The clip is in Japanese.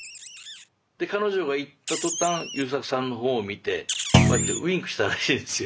で彼女が行った途端優作さんの方を見てこうやってウインクしたらしいんですよ。